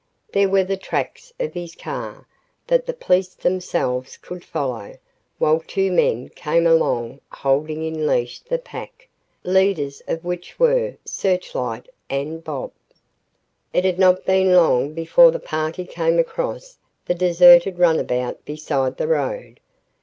There were the tracks of his car. That the police themselves could follow, while two men came along holding in leash the pack, leaders of which were "Searchlight" and "Bob." It had not been long before the party came across the deserted runabout beside the road.